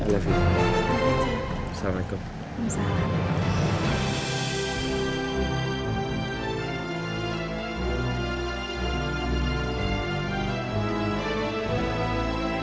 nih sayang hati hati ya